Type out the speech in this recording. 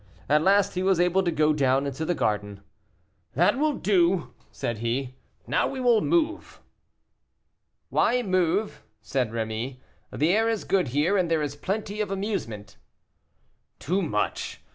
At last he was able to go down into the garden. "That will do," said he; "now we will move." "Why move?" said Rémy. "The air is good here, and there is plenty of amusement." "Too much; M.